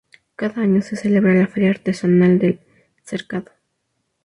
Cada año se celebra la Feria Artesanal de El Cercado.